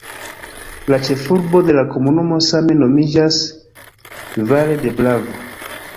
La ĉefurbo de la komunumo same nomiĝas "Valle de Bravo".